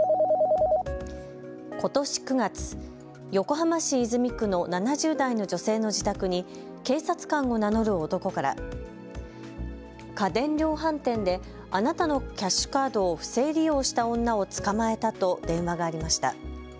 ことし９月、横浜市泉区の７０代の女性の自宅に警察官を名乗る男から家電量販店であなたのキャッシュカードを不正利用した女を捕まえたと電話がありました。